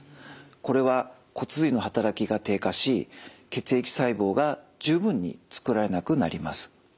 これは骨髄の働きが低下し血液細胞が十分につくられなくなります。